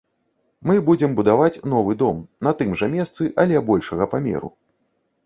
Мы будзем будаваць новы дом, на тым жа месцы але большага памеру.